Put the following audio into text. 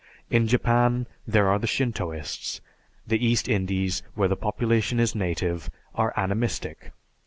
In Japan, there are the Shintoists. The East Indies, where the population is native, are Animistic.